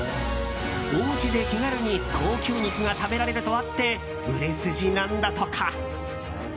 おうちで気軽に高級肉が食べられるとあって売れ筋なんだとか。